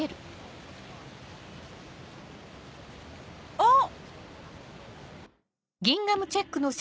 あっ！